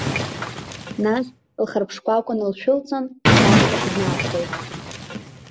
Нас, лхарԥ шкәакәа налшәылҵан, асаркьа днадгылт.